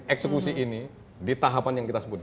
eksekusi ini di tahapan yang kita sebut